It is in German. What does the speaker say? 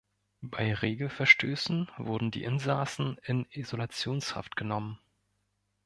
Bei Regelverstößen wurden die Insassen in Isolationshaft genommen.